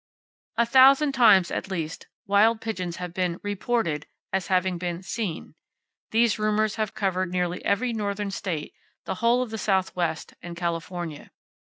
A thousand times, at least, wild pigeons have been "reported" as having been "seen." These rumors have covered nearly every northern state, the whole of the southwest, and California.